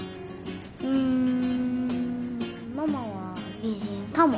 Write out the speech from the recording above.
んーママは美人かも。